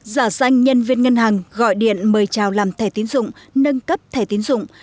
giả danh nhân viên ngân hàng gọi điện mời chào làm thẻ tín dụng nâng cấp thẻ tín dụng